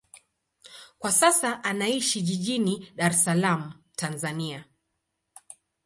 Kwa sasa anaishi jijini Dar es Salaam, Tanzania.